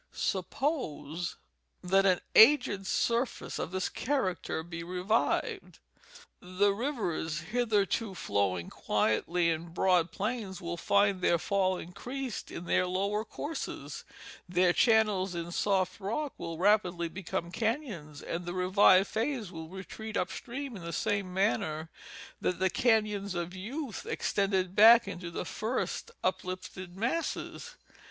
Suppose that an aged surface of this character be revived : the rivers hitherto flowing quietly in broad plains will find their fall increased in their lower courses ; their channels in soft rock will Round about Asheville. 297 rapidly become canons, and the revived phase will retreat up stream in the same manner that the canons of youth extended back into the first uplifted mass.